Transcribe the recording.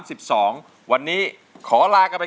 อีกหนึ่งสังคมนะ